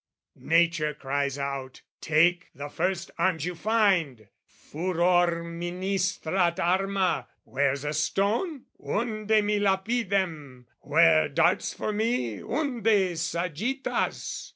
Nature cries out "Take the first arms you find!" Furor ministrat arma: where's a stone? Unde mî lapidem, where darts for me? Unde sagittas?